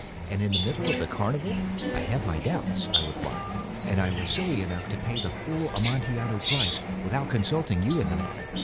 And in the middle of the carnival!" "I have my doubts," I replied; "and I was silly enough to pay the full Amontillado price without consulting you in the matter.